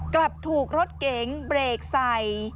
กลับถูกรถเก๋งเบรกใส่